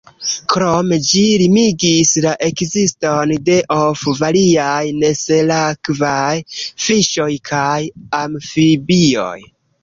Krome ĝi limigis la ekziston de of variaj nesalakvaj fiŝoj kaj amfibioj.